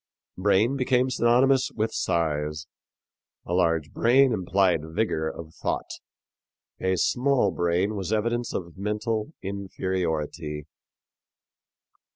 Brain became synonymous with mind. A large brain implied vigor of thought; a small brain was evidence of mental inferiority.